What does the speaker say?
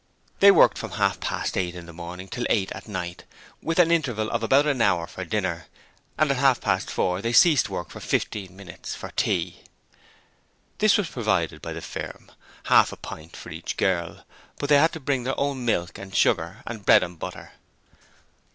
They worked from half past eight in the morning till eight at night, with an interval of an hour for dinner, and at half past four they ceased work for fifteen minutes for tea. This was provided by the firm half a pint for each girl, but they had to bring their own milk and sugar and bread and butter.